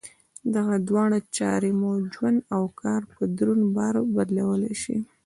دغه دواړه چارې مو ژوند او کار په دروند بار بدلولای شي.